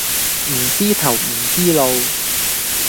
唔知頭唔知路